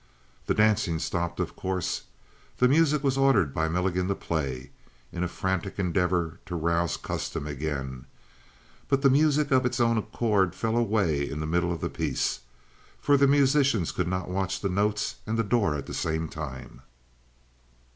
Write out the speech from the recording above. The dancing stopped, of course. The music was ordered by Milligan to play, in a frantic endeavor to rouse custom again; but the music of its own accord fell away in the middle of the piece. For the musicians could not watch the notes and the door at the same time.